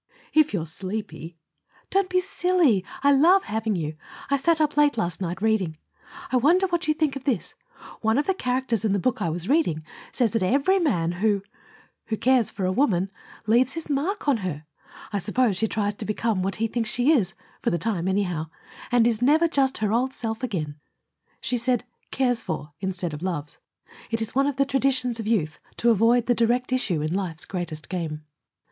"If you're sleepy " "Don't be silly. I love having you. I sat up late last night, reading. I wonder what you think of this: one of the characters in the book I was reading says that every man who who cares for a woman leaves his mark on her! I suppose she tries to become what he thinks she is, for the time anyhow, and is never just her old self again." She said "cares for" instead of "loves." It is one of the traditions of youth to avoid the direct issue in life's greatest game.